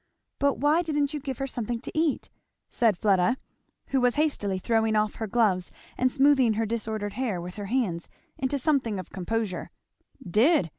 "But why didn't you give her something to eat?" said Fleda, who was hastily throwing off her gloves and smoothing her disordered hair with her hands into something of composure. "Did!"